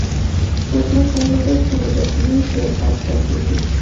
مجرم پوهیده چې مجسمې چیرته پرتې دي.